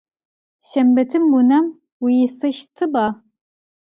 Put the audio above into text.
Şşembetım vunem vuisıştıba?